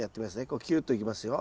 こうきゅっといきますよ。